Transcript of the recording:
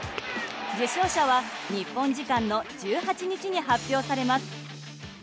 受賞者は日本時間の１８日に発表されます。